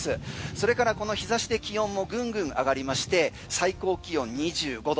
それからこの日差しで気温もぐんぐん上がりまして最高気温２５度。